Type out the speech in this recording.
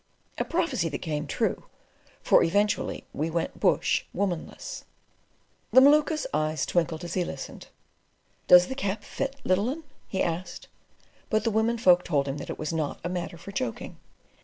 A prophecy that came true, for eventually we went "bush" womanless. The Maluka's eyes twinkled as he listened. "Does the cap fit, little 'un?" he asked; but the women folk told him that it was not a matter for joking.